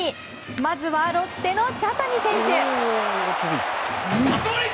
まずはロッテの茶谷選手。